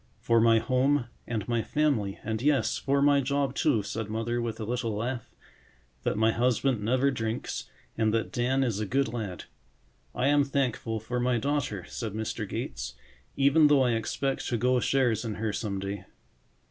"For my home and my family, and yes—for my job, too," said Mother with a little laugh. "That my husband never drinks and that Dan is a good lad." "I am thankful for my daughter," said Mr. Gates, "even though I expect to go shares in her some day."